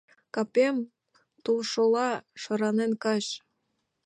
Капем тулшолла шыранен кайыш.